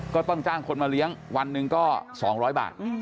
ก็ต้องจ้างคนมาเลี้ยงวันหนึ่งก็๒๐๐บาท